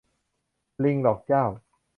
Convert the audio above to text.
ลิงหลอกเจ้า